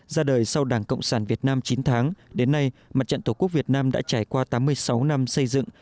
ra đời sau đảng cộng sản việt nam chín tháng đến nay mặt trận tổ quốc việt nam đã trải qua tám mươi sáu năm xây dựng